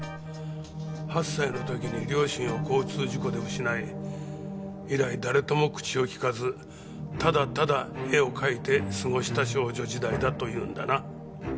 ８歳の時に両親を交通事故で失い以来誰とも口を利かずただただ絵を描いて過ごした少女時代だというんだな。